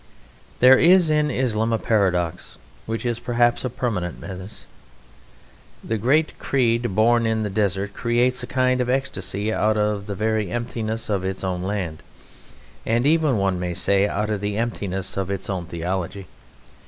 There is in Islam a paradox which is perhaps a permanent menace. The great creed born in the desert creates a kind of ecstasy out of the very emptiness of its own land, and even, one may say, out of the emptiness of its own theology.